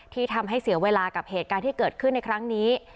ที่ทำให้เสียเวลากับเหตุการณ์ที่เกิดขึ้นในครั้งนี้